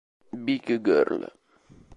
Big Girl